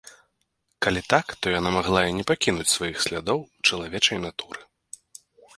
Калі так, то яна магла і не пакінуць сваіх слядоў у чалавечай натуры.